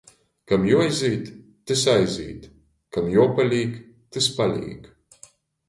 Kam juoaizīt, tys aizīt, kam juopalīk, tys palīk.